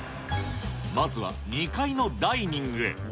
まずは２階のダイニングへ。